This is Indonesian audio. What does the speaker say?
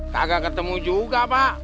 kagak ketemu juga pak